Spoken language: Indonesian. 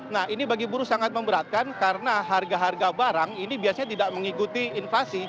nah ini bagi buruh sangat memberatkan karena harga harga barang ini biasanya tidak mengikuti inflasi